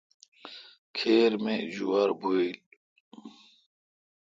کھیر می جوار بھویل۔